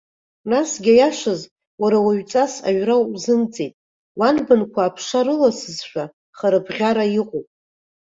Насгьы, аиашаз, уара уаҩҵас аҩра узымҵеит, уанбанқәа, аԥша рыласызшәа, харабӷьара иҟоуп.